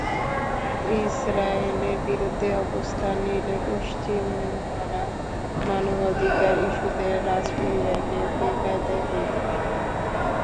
ইসরায়েলের বিরুদ্ধে অবস্থান নিলে পশ্চিমারা মানবাধিকার ইস্যুতে রাজপরিবারকে বেকায়দায় ফেলতে পারে।